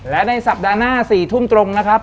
และในสัปดาห์หน้า๔ทุ่มตรงนะครับ